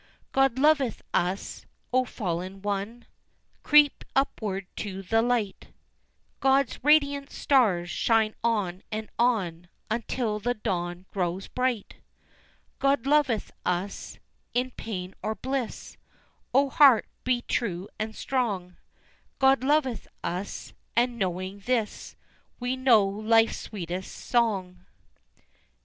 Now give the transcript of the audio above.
God loveth us! O fallen one Creep upward to the light, God's radiant stars shine on and on, Until the dawn grows bright. God loveth us! in pain or bliss, O heart be true and strong, God loveth us! and knowing this, We know life's sweetest song.